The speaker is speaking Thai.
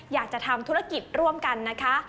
อยากจะทำธุรกิจร่วมกันนะคะ